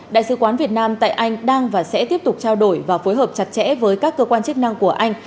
đại sứ quán việt nam tại anh đang và sẽ tiếp tục trao đổi và phối hợp chặt chẽ với các cơ quan chức năng của anh